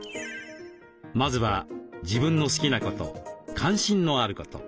まずは自分の好きなこと関心のあること。